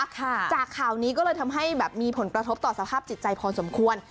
จากข่าวนี้ก็เลยทำให้แบบมีผลกระทบต่อสภาพจิตใจพอสมควร